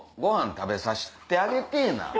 食べさせてあげてぇな。